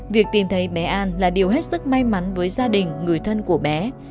việc tìm thấy bé an là điều hết sức may mắn với gia đình người thân của bé